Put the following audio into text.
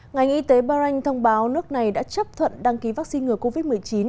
ngành y tế bahrain thông báo nước này đã chấp thuận đăng ký vaccine ngừa covid một mươi chín